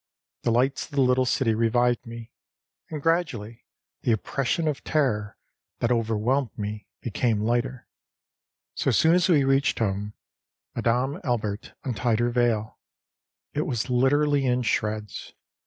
The lights of the little city revived me, and gradually the oppression of terror that overwhelmed me became lighter. So soon as we reached home, Madame Albert untied her veil; it was literally in shreds.